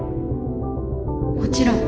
もちろん。